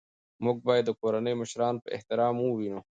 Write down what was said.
موږ باید د کورنۍ مشران په احترام ووینو